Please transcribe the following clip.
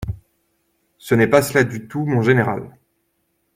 Ce n’est pas cela du tout, mon général.